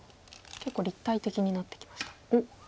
結構立体的になってきました。